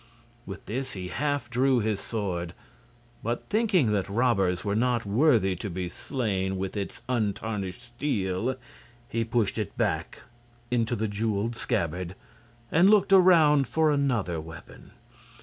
With this he half drew his sword, but thinking that robbers were not worthy to be slain with its untarnished steel, he pushed it back into the jeweled scabbard and looked around for another weapon.